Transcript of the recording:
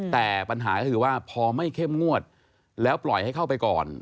แต่ปัญหาก็คือว่าพอไม่เข้มงวดแล้วปล่อยให้เข้าไปก่อน